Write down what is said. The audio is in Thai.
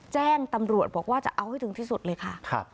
แจ้งตำรวจบอกว่าจะเอาให้ถึงที่สุดเลยค่ะ